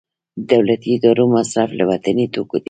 د دولتي ادارو مصرف له وطني توکو دی